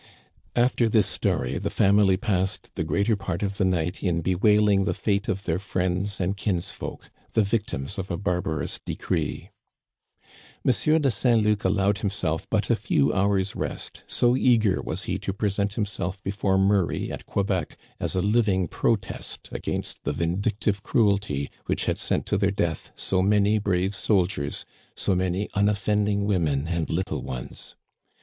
After this story, the family passed the greater part of the night in bewailing the fate of their friends and kins folk, the victims of a barbarous decree. M. de Saint Luc allowed himself but a few hours rest, so eager was he to present himself before Mur ray at Quebec as a living protest against the vindic tive cruelty which had sent to their death so many brave Digitized by VjOOQIC 222 THE CANADIANS OF OLD. soldiers, so many unoffending women and little ones.